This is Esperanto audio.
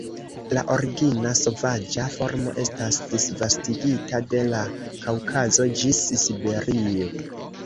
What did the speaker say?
La origina sovaĝa formo estas disvastigita de la Kaŭkazo ĝis Siberio.